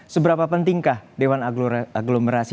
seberapa pentingkah dewan agglomerasi